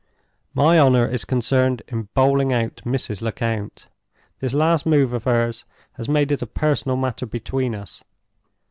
My honor is concerned in bowling out Mrs. Lecount. This last move of hers has made it a personal matter between us.